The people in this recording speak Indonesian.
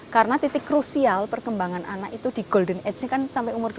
karena titik krusial perkembangan anak itu di golden age kan sampai umur dua puluh